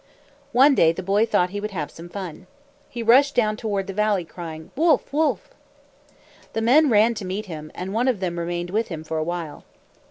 One day the boy thought he would have some fun. He rushed down toward the valley, crying, "Wolf! Wolf!" The men ran to meet him, and one of them remained with him for a while.